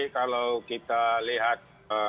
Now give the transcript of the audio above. kalau kita lihat